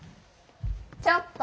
ちょっと！